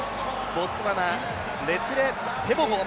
ボツワナ、レツィレ・テボゴ。